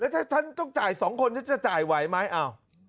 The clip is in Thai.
ถ้าฉันต้องจ่าย๒คนฉันจะจ่ายไหวไหมอ้าว